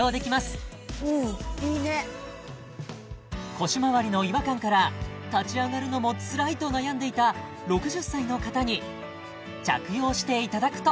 腰回りの違和感から立ち上がるのもつらいと悩んでいた６０歳の方に着用していただくと